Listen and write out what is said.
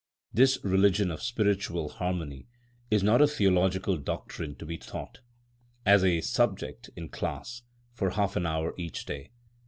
This religion of spiritual harmony is not a theological doctrine to be taught, as a subject in the class, for half an hour each day.